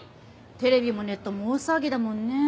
テレビもネットも大騒ぎだもんね。